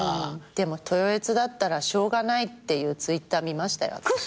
でも「トヨエツだったらしょうがない」っていうＴｗｉｔｔｅｒ見ましたよ私。